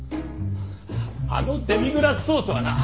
あのデミグラスソースはな